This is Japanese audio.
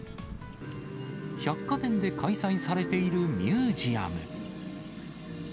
百貨店で開催されているミュージアム。